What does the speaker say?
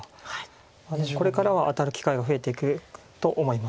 これからは当たる機会が増えていくと思います。